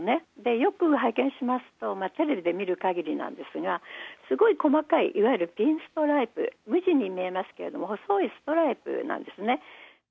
よく拝見しますと、テレビで見るかぎりなんですが、すごい細かい、いわゆるピンストライプ、無地に見えますけれども、細いストライプなんですね。